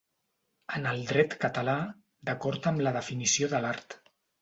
En el dret català, d'acord amb la definició de l'art.